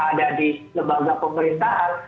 ada di lembaga pemerintahan